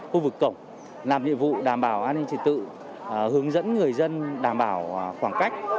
khu vực cổng làm nhiệm vụ đảm bảo an ninh trật tự hướng dẫn người dân đảm bảo khoảng cách